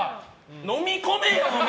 飲み込めよ、お前！